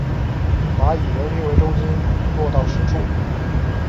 把以人民为中心落到实处